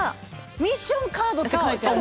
「ミッションカード」って書いてある。